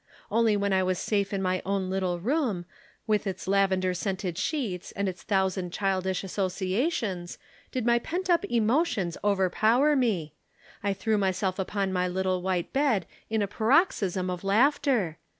Only when I was safe in my own little room, with its lavender scented sheets and its thousand childish associations did my pent up emotions overpower me. I threw myself upon my little white bed in a paroxysm of laughter.